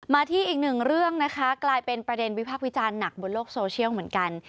ที่อีกหนึ่งเรื่องนะคะกลายเป็นประเด็นวิพากษ์วิจารณ์หนักบนโลกโซเชียลเหมือนกัน